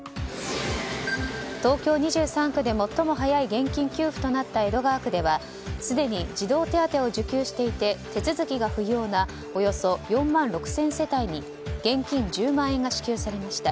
東京２３区で最も早い現金給付となった江戸川区ではすでに児童手当を受給していて手続きが不要なおよそ４万６０００世帯に現金１０万円が支給されました。